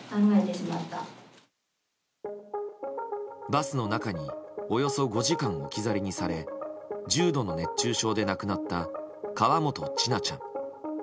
バスの中におよそ５時間、置き去りにされ重度の熱中症で亡くなった河本千奈ちゃん。